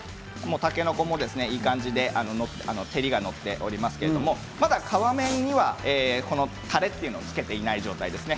たけのこもいい感じに照りがのっておりますけど皮面には、たれというのはつけていない状態ですね。